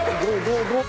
どう？